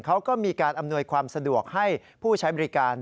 เขาก็มีการอำนวยความสะดวกให้ผู้ใช้บริการ